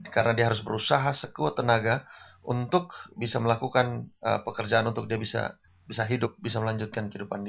karena dia harus berusaha sekuat tenaga untuk bisa melakukan pekerjaan untuk dia bisa hidup bisa melanjutkan kehidupan dia